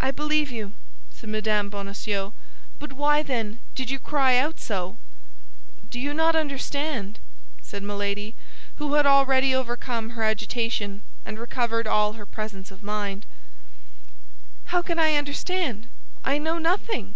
"I believe you," said Mme. Bonacieux; "but why, then, did you cry out so?" "Do you not understand?" said Milady, who had already overcome her agitation and recovered all her presence of mind. "How can I understand? I know nothing."